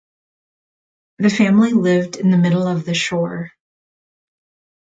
The family lived in the middle of the Shore.